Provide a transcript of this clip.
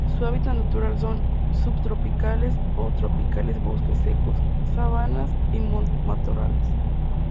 Su hábitat natural son: subtropicales o tropicales bosques secos, sabanas, y matorrales.